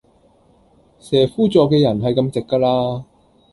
蛇夫座既人係咁直㗎啦